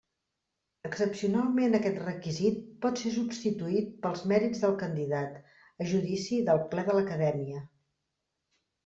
Excepcionalment aquest requisit pot ser substituït pels mèrits del candidat, a judici del Ple de l'Acadèmia.